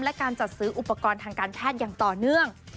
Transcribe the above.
และการจัดซื้ออุปกรณ์ทางการแพทย์อย่างต่อเนื่อง